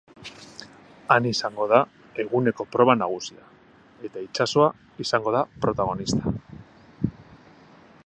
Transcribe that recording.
Han izango da eguneko proba nagusia, eta itsasoa izango da protagonista.